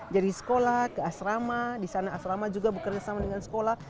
jadi sekolah ke asrama di sana asrama juga bekerjasama dengan sekolah